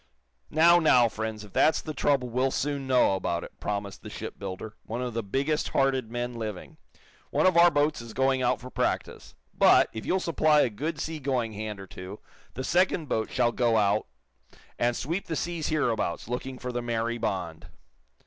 "Now, now, friends, if that's the trouble, we'll soon know about it," promised the shipbuilder, one of the biggest hearted men living. "One of our boats is going out for practice. But, if you'll supply a good sea going hand or two, the second boat shall go out and sweep the seas hereabouts, looking for the 'Mary Bond.'"